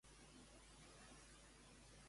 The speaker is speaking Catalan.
Quants de vots va aconseguir Pablo?